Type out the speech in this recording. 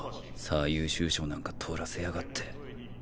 最優秀賞なんか取らせやがって。